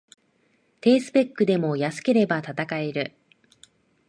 低スペックでも安ければ戦える